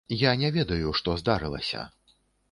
Я не ведаю, што здарылася.